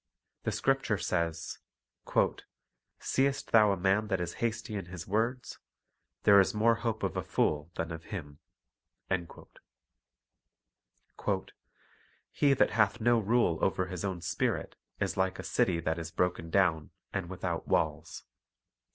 The Scripture says :— "Seest thou a man that is hasty in his words? there is more hope of a fool than of him." 5 "He that hath no rule over his own spirit is like a city that is broken down, and without walls."